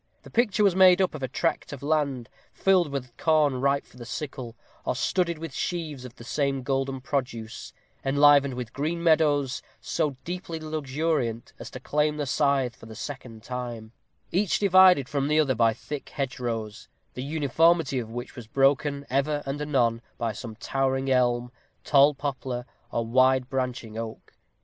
The picture was made up of a tract of land filled with corn ripe for the sickle, or studded with sheaves of the same golden produce, enlivened with green meadows, so deeply luxuriant as to claim the scythe for the second time; each divided from the other by thick hedgerows, the uniformity of which was broken ever and anon by some towering elm, tall poplar, or wide branching oak.